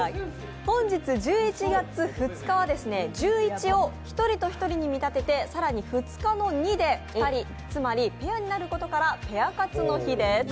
本日１１月２日は「１１」を１人と１人に見立てて更に２日の「２」で２人、つまりペアになることからペア活の日です。